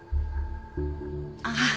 ああ。